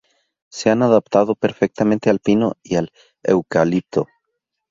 Se han adaptado perfectamente al pino y al eucalipto.